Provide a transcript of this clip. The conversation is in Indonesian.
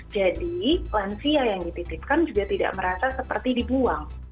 jadi lansia yang dititipkan juga tidak merasa seperti dibuang